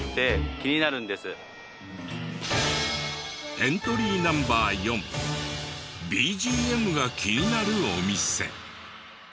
エントリーＮｏ．４ＢＧＭが気になるお店。